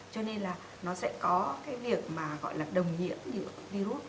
cho nên là nó sẽ có cái việc mà gọi là đồng nhiễm